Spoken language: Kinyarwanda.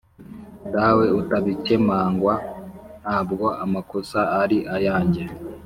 Dawe utabikemangwa ntabwo amakosa ari ayanjye